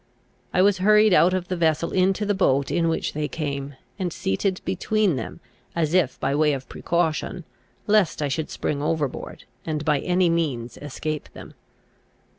I was hurried out of the vessel into the boat in which they came, and seated between them, as if by way of precaution, lest I should spring overboard, and by any means escape them.